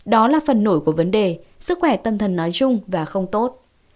đó là phần nổi của vấn đề sức khỏe tâm thần nói chung và không tốt